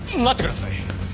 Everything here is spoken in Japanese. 待ってください！